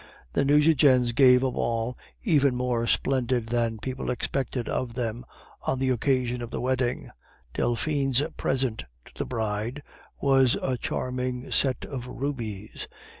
The Nucingens gave a ball even more splendid than people expected of them on the occasion of the wedding; Delphine's present to the bride was a charming set of rubies.